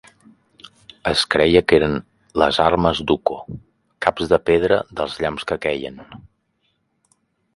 Es creia que eren les armes d'Ukko, caps de pedra dels llamps que queien.